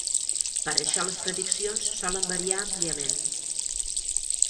Per això les prediccions solen variar àmpliament.